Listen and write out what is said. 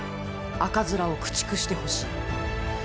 赤面を駆逐してほしい！